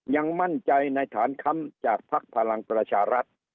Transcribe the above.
ยังมั่นใจในฐานค้ำจากภักดิ์พลังประชารัฐ